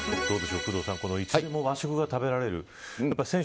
工藤さん、いつでも和食が食べられる。